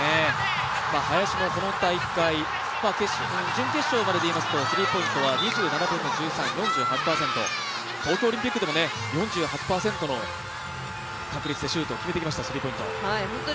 林もこの大会、準決勝まででいいますと、スリーポイントの成功率は４８％、東京オリンピックでも４８％の確率でスリーポイントシュートを決めてきました。